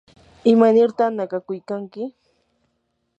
¿imanirta nakakuykanki?